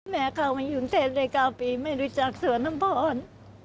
แม่เข้ามายุนเทปในเก้าปีไม่รู้จักสวนธรรมภร